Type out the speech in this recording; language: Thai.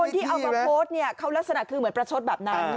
ที่เอามาโพสต์เนี่ยเขาลักษณะคือเหมือนประชดแบบนั้น